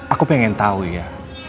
aku pengen tahu ya